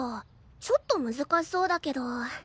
ちょっと難しそうだけど。